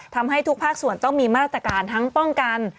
ทำให้ทุกภาคส่วนต้องมีมาตรการทั้งป้องกัน